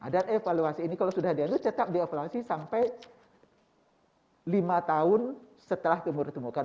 dan evaluasi ini kalau sudah diadu tetap diavaluasi sampai lima tahun setelah ditemukan